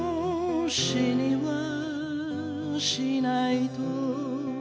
「死にはしないと」